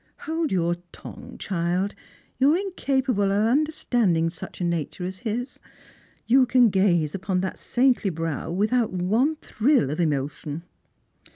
" Hold your tongue, child ; you are incapable of understand ing such a nature as his. You can gaze upon that saintly brow •without one thrill of emotion."